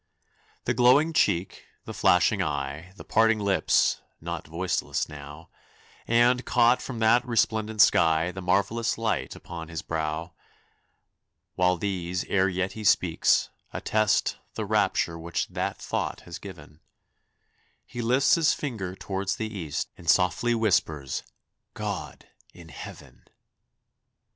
The glowing cheek, the flashing eye, The parted lips not voiceless now And, caught from that resplendent sky, The marvelous light upon his brow, While these, ere yet he speaks, attest The rapture which that thought has given; He lifts his finger toward the east And softly whispers, "_God, in Heaven!